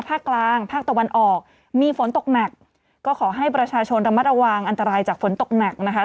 ภาคกลางภาคตะวันออกมีฝนตกหนักก็ขอให้ประชาชนระมัดระวังอันตรายจากฝนตกหนักนะคะ